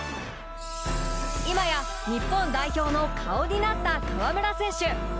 今や日本代表の顔になった河村選手。